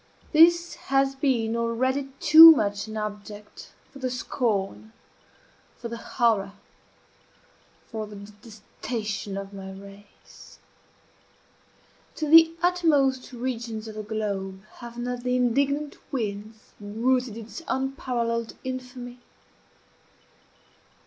This has been already too much an object for the scorn for the horror for the detestation of my race. To the uttermost regions of the globe have not the indignant winds bruited its unparalleled infamy?